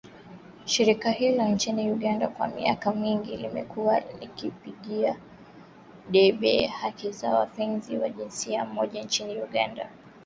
Shirika hilo nchini Uganda kwa miaka mingi limekuwa likipigia debe haki za wapenzi wa jinsia moja nchini Uganda.